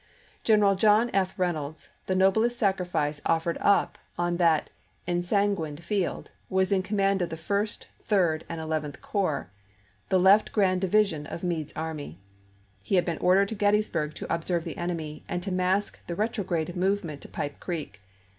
General John F. Reynolds — the noblest sacrifice offered up on that ensanguined field — was in command of the First, Third, and Eleventh Corps, the left grand division of Meade's army. He had been ordered to Gettysburg to ob serve the enemy and to mask the retrograde move ment to Pipe Creek.